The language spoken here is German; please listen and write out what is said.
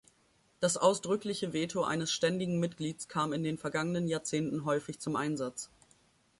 Das ausdrückliche Veto eines ständigen Mitglieds kam in den vergangenen Jahrzehnten häufig zum Einsatz.